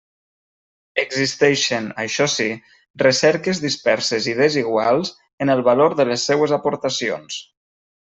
Existeixen, això sí, recerques disperses i desiguals en el valor de les seues aportacions.